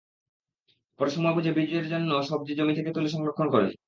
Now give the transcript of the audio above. পরে সময় বুঝে বীজের জন্য সবজি জমি থেকে তুলে ঘরে সংরক্ষণ করেন।